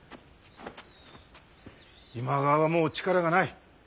今川はもう力がない。